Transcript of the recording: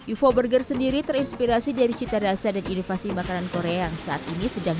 ufo burger sendiri terinspirasi dari cita rasa dan inovasi makanan korea yang saat ini sedang